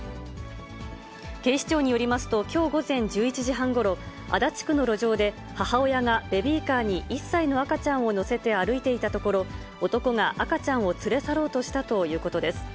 警視庁によりますと、きょう午前１１時半ごろ、足立区の路上で母親がベビーカーに１歳の赤ちゃんを乗せて歩いていたところ、男が赤ちゃんを連れ去ろうとしたということです。